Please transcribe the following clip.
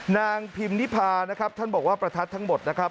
นางพิมนิพานะครับท่านบอกว่าประทัดทั้งหมดนะครับ